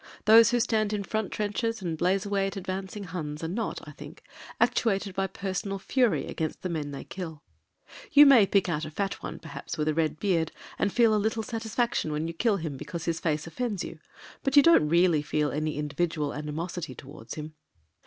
Those who stand in front trenches and blaze away at advancing Huns are not, I think, actuated by personal fury against the men they kill. You may pick out a fat one perhaps with a red beard and feel a little satisfaction when you kill him because his face offends you, but you don't really feel any individual animosity towards him.